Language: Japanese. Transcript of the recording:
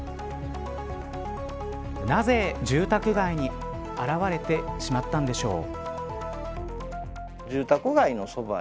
なぜ住宅街に現れてしまったんでしょう。